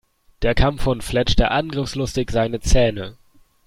Der Kampfhund fletschte angriffslustig seine Zähne.